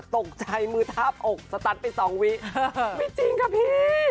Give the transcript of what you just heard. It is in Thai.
ตกใจมือทาบอกสตั๊ดไปสองวิไม่จริงค่ะพี่